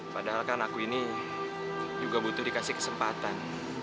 padahal kan aku ini juga butuh dikasih kesempatan